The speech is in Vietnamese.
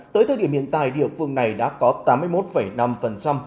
tới thời điểm hiện tại địa phương này đã có tám mươi một năm bệnh nhân covid một mươi chín